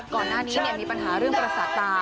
ก่อนหน้านี้มีปัญหาเรื่องประสาทตา